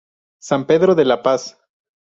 San Pedro de la Paz.